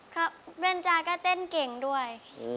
ก็เวนจาก็เต้นเก่งด้วย